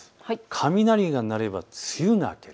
雷が鳴れば梅雨が明ける。